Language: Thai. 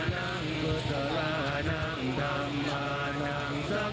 ท่านมโทษที่มีไปต้องไปที่มีช่วงที่เกิดนะครับ